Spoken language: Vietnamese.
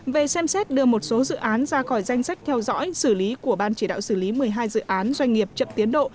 về xem xét đưa một số dự án ra khỏi danh sách theo dõi xử lý của ban chỉ đạo xử lý một mươi hai dự án doanh nghiệp chậm tiến độ